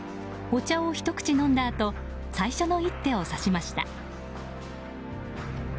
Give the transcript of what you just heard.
お茶を一口飲んだあと最初の一手を指しました。